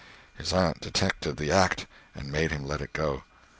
His aunt detected the act and made him let it go.